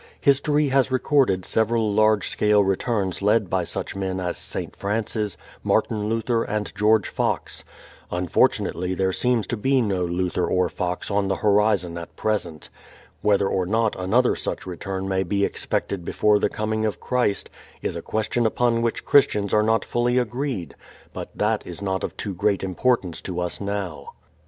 History has recorded several large scale returns led by such men as St. Francis, Martin Luther and George Fox. Unfortunately there seems to be no Luther or Fox on the horizon at present. Whether or not another such return may be expected before the coming of Christ is a question upon which Christians are not fully agreed, but that is not of too great importance to us now.